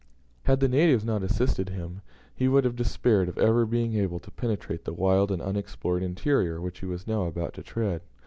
Had the natives not assisted him, he must have despaired of ever being able to penetrate the wild and unexplored interior which he was now about to tread.